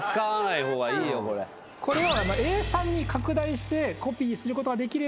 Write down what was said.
これを。